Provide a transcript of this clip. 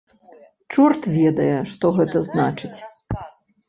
Чорт ведае, што гэта значыць?